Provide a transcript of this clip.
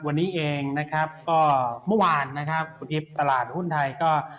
วันนี้เองนะครับก็เมื่อวานนะครับคุณอีฟตลาดหุ้นไทยก็